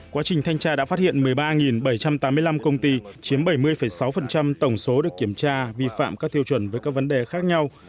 quá trình thanh tra đã phát hiện một mươi ba bảy trăm tám mươi năm công ty chiếm bảy mươi sáu tổng số được kiểm tra vi phạm các tiêu chuẩn với các vấn đề khác nhau